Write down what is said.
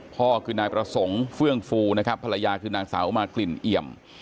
พ่อคือนายประสงค์เฟื่องฟูนะครับภรรยาคือนางสาวมากลิ่นเอี่ยม